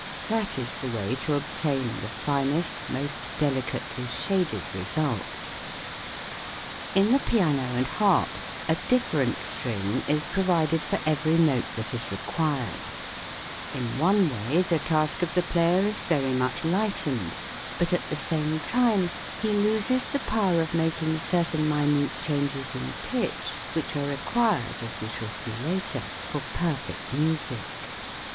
That is the way to obtain the finest, most delicately shaded results. In the piano and harp a different string is pro FIG. 22. A Tuning Fork, mounted oil its proper sounding box. 44 THE WORLD OF SOUND vided for every note that is required. In one way the task of the player is very much lightened, but at the same time he loses the power of making certain minute changes in pitch which are required, as we shall see later, for perfect music.